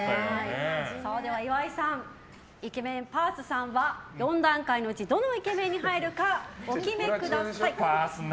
岩井さん、イケメンパースさんは４段階のうちどのイケメンに入るかお決めください。